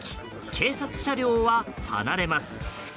警察車両は離れます。